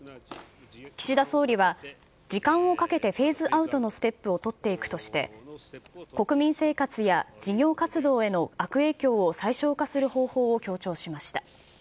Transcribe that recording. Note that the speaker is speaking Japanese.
岸田総理は、時間をかけてフェーズアウトのステップを取っていくとして、国民生活や事業活動への悪影響を最小化する方法を強調しました。